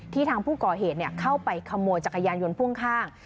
ทางผู้ก่อเหตุเข้าไปขโมยจักรยานยนต์พ่วงข้าง